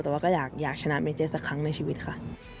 แต่ว่าก็อยากชนะเมเจสักครั้งในชีวิตค่ะ